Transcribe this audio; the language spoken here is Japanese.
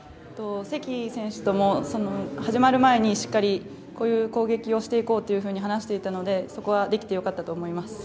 関選手とも始まる前にしっかり、こういう攻撃をしていこうと話していたのでそこはできてよかったと思います。